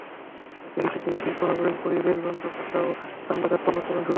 April থেকেই শিল্পনগরে পরিবেশবান্ধব চামড়া ও চামড়াজাত পণ্য উত্পাদন শুরু হবে।